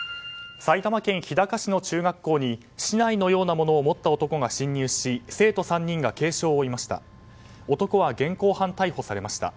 埼玉県日高市の中学校に竹刀のようなものを持った男が侵入し生徒３人が軽傷を負いました。